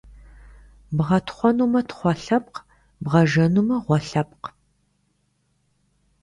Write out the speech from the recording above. Бгъэтхъуэнумэ, тхъуэ лъэпкъ, бгъэжэнумэ, гъуэ лъэпкъ.